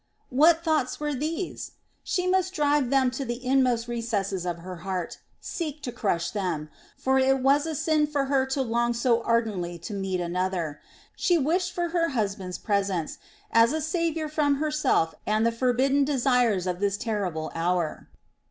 What thoughts were these? She must drive them back to the inmost recesses of her heart, seek to crush them; for it was a sin for her to long so ardently to meet another. She wished for her husband's presence, as a saviour from herself and the forbidden desires of this terrible hour.